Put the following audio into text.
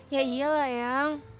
ya iyalah yang